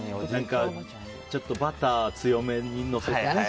ちょっとバター強めにのせてね。